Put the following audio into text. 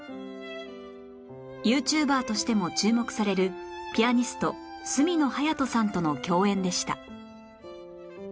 ＹｏｕＴｕｂｅｒ としても注目されるピアニスト角野隼斗さんとの共演でした